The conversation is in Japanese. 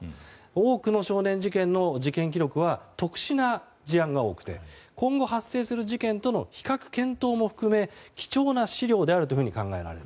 多くの少年事件の事件記録は特殊な事案が多くて今後、発生する事件との比較検討も含め貴重な資料であるというふうに考えられる。